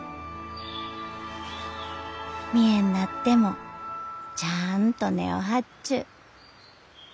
見えんなってもちゃあんと根を張っちゅう。